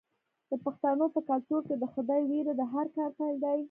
د پښتنو په کلتور کې د خدای ویره د هر کار پیل دی.